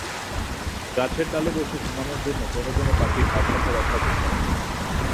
গাছের ডালে বসে ঘুমানোর জন্য কোনো কোনো পাখির ভারসাম্য রক্ষা করতে হয়।